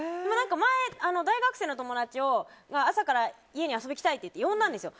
前、大学生の友達が朝から家に遊びに来たいって呼んだんですよ。